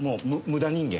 無駄人間。